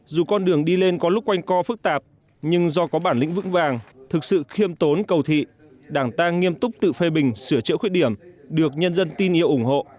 dù con đường đi lên có lúc quanh co phức tạp nhưng do có bản lĩnh vững vàng thực sự khiêm tốn cầu thị đảng ta nghiêm túc tự phê bình sửa chữa khuyết điểm được nhân dân tin yêu ủng hộ